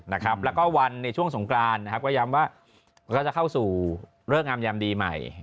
แล้วก็วันในช่วงสงครานก็จะเข้าสู่เริ่มอามยามดีใหม่